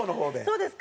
そうです。